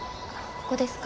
ここですか？